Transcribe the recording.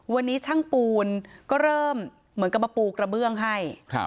วันนี้ช่างปูนก็เริ่มเหมือนกับมาปูกระเบื้องให้